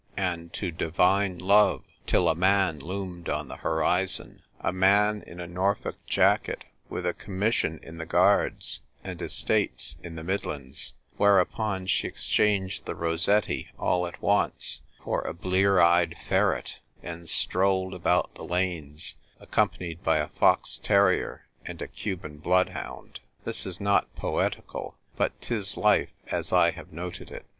I 39 and to divine love, till a man loomed on the horizon — a man in a Norfolk jacket, with a commission in the Guards and estates in the Midlands; whereupon she exchanged the Ros setti all at once for a blear eyed ferret, and strolled about the lanes accompanied by a fox terrier and a Cuban bloodhound. This is not poetical, but 'tis life as I have noted it.